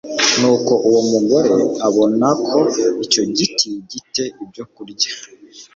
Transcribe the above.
Nuko uwo mugore abona ko icyo giti gi te ibyokurya